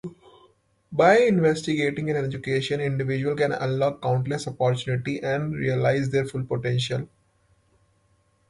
By investing in education, individuals can unlock countless opportunities and realize their full potential.